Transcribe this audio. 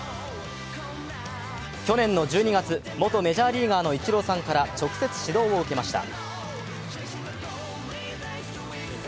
去年の１２月元メジャーリーガーのイチローさんから直接指導を受けました。